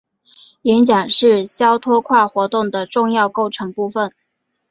演讲是肖托夸活动的重要构成部分。